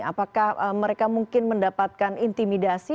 apakah mereka mungkin mendapatkan intimidasi